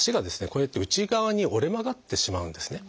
こうやって内側に折れ曲がってしまうんですね。